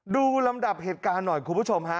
ลำดับเหตุการณ์หน่อยคุณผู้ชมฮะ